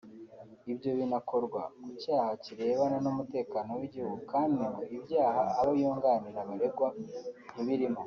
Ibyo binakorwa ku cyaha kirebana n’umutekano w’igihugu kandi ngo ibyaha abo yunganira baregwa ntibirimo